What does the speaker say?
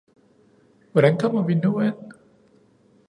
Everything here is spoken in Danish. Hvordan kommer vi nu ind